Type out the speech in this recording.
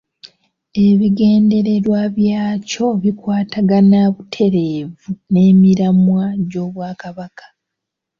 Ebigendererwa byakyo bikwatagana butereevu n’emiramwa gy’Obwakabaka.